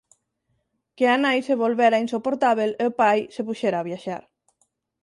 Que a nai se volvera insoportábel e o pai se puxera a viaxar.